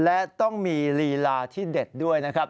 และต้องมีลีลาที่เด็ดด้วยนะครับ